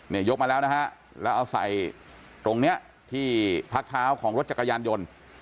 ยกมาแล้วนะฮะแล้วเอาใส่ตรงเนี้ยที่พักเท้าของรถจักรยานยนต์